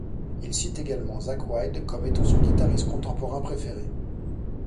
Il cite également Zakk Wylde comme étant son guitariste contemporain préféré.